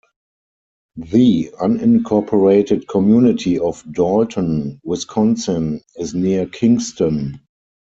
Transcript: The unincorporated community of Dalton, Wisconsin is near Kingston.